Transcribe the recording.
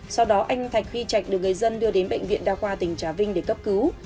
sau đó anh thạch huy trạch được người dân đưa đến bệnh viện đa khoa tỉnh trà vinh để cấp cứu